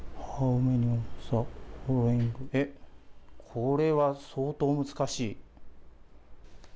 これは相当難しい。